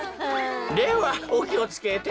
ではおきをつけて。